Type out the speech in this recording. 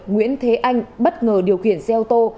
nguyễn thế anh bất ngờ điều khiển xe ô tô